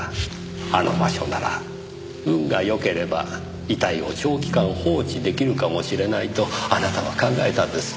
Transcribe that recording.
あの場所なら運が良ければ遺体を長期間放置出来るかもしれないとあなたは考えたんです。